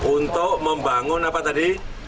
untuk membangun apa tadi